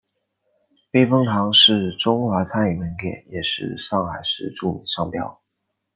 避风塘是中华餐饮名店也是上海市著名商标。